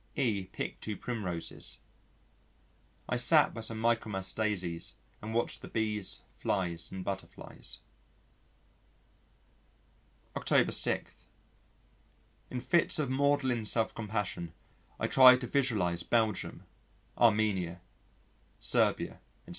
E picked two Primroses. I sat by some Michaelmas Daisies and watched the Bees, Flies, and Butterflies. October 6. In fits of maudlin self compassion I try to visualise Belgium, Armenia, Serbia, etc.